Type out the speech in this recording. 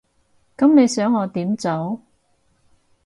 噉你想我點做？